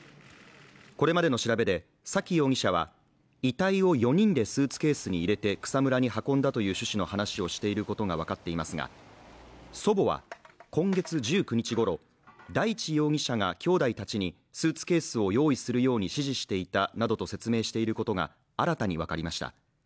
これまでの調べで沙喜容疑者は、遺体を４人でスーツケースに入れて草むらに運んだという趣旨の話をしていることが分かっていますが祖母は、今月１９日ごろ、大地容疑者がきょうだいたちにスーツケースを用意するように指示していたなどと説明していることが新たに分かりました。